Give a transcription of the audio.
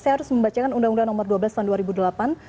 saya harus membacakan undang undang nomor dua belas tahun dua ribu delapan